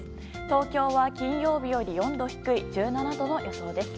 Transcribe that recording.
東京は金曜日より４度低い１７度の予想です。